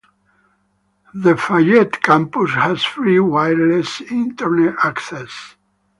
The Fayette campus has free wireless Internet access.